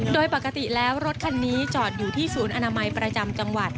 โดยปกติแล้วรถคันนี้จอดอยู่ที่ศูนย์อนามัยประจำจังหวัด